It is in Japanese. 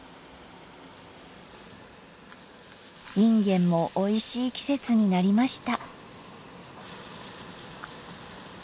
いんげんもおいしい季節になりました。